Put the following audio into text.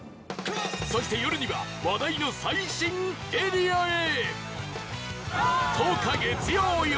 そして夜には話題の最新エリアへ！